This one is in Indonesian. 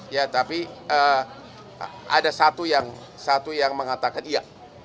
ya tapi ada satu yang mengatakan iya